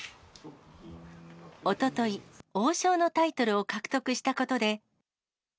おととい、王将のタイトルを獲得したことで。